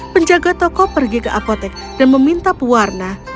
penjaga toko pergi ke apotek dan meminta pewarna